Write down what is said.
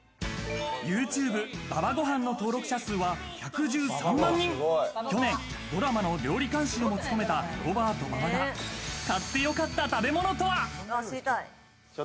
ユーチューブ、馬場ごはんの登録者数は１１３万人、去年ドラマの料理監修も務めたロバート・馬場、買ってよかった食べ物とは？